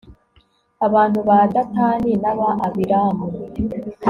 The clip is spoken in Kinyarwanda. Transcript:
abantu ba datani n'aba abiramu